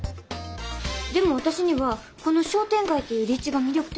でも私にはこの商店街っていう立地が魅力的に思えて。